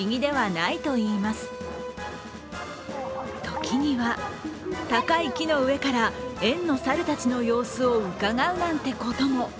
時には高い木の上から園のサルたちの様子をうかがうなんてことも。